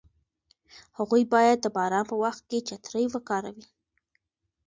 هغوی باید د باران په وخت کې چترۍ وکاروي.